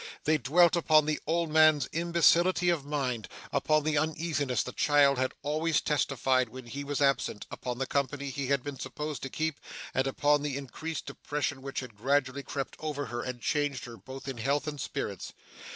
They dwelt upon the old man's imbecility of mind, upon the uneasiness the child had always testified when he was absent, upon the company he had been supposed to keep, and upon the increased depression which had gradually crept over her and changed her both in health and spirits.